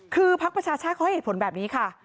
คือพักประชาชาติเขาให้เหตุผลแบบนี้ค่ะ